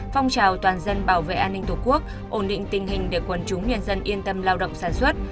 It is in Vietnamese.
phong trào toàn dân bảo vệ an ninh tổ quốc ổn định tình hình để quân chúng nhân dân yên tâm lao động sản xuất